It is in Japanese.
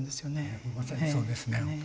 まさにそうですね。